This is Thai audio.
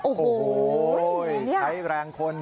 โอ้โหใช้แรงคน